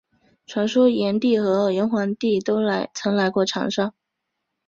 传说炎帝和黄帝都曾来过长沙。